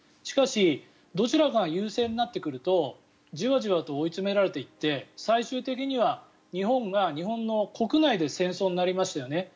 しかし、どちらかが優勢になってくるとじわじわと追い詰められていって最終的には日本が、日本の国内で戦争になりましたよね。